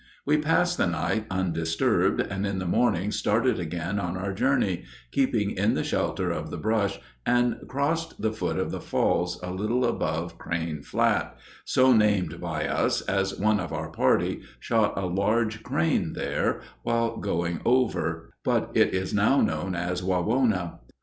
We passed the night undisturbed and in the morning started again on our journey, keeping in the shelter of the brush, and crossed the foot of the Falls, a little above Crane Flat—so named by us, as one of our party shot a large crane there while going over, but it is now known as Wawona.